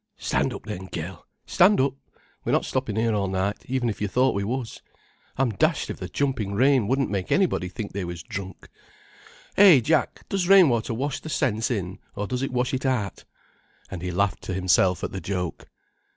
Stand up then, gel, stand up, we're not stoppin' here all night, even if you thought we was. I'm dashed if the jumping rain wouldn't make anybody think they was drunk. Hey, Jack—does rain water wash the sense in, or does it wash it out?" And he laughed to himself at the joke.